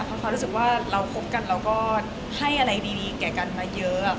เพราะความรู้สึกว่าเราคบกันเราก็ให้อะไรดีแก่กันมาเยอะ